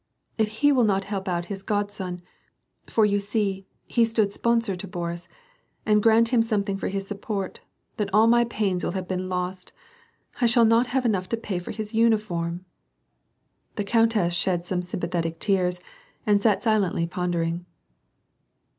If he will not help out his godson — for you see he stood sponsor to Boris — and grant him something for his suppoi t, then all my pains will have been lost. I shall not have enough to pay for his uniform." The countess shed some sympathetic tears, and sat silently pondering.